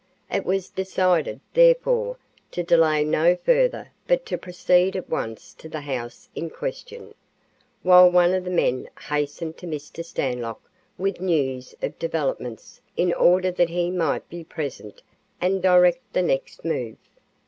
It was decided, therefore, to delay no further but to proceed at once to the house in question, while one of the men hastened to Mr. Stanlock with news of developments in order that he might be present and direct the next move.